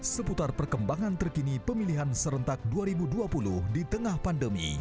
seputar perkembangan terkini pemilihan serentak dua ribu dua puluh di tengah pandemi